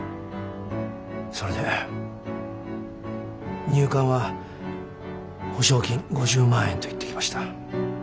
それで入管は保証金５０万円と言ってきました。